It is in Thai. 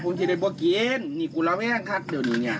ผมจะได้บอกกินนี่กูเล่าแห้งคัดเดี๋ยวนี้เนี่ย